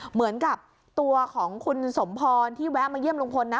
เหมือนกับตัวของคุณสมพรที่แวะมาเยี่ยมลุงพลนะ